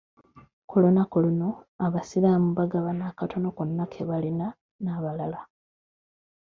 Ku lunaku luno abasiraamu bagabana akatono konns ke balina n'abalala.